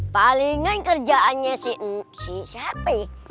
palingan kerjaannya si siapa